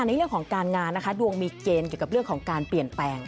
ในเรื่องของการงานนะคะดวงมีเกณฑ์เกี่ยวกับเรื่องของการเปลี่ยนแปลง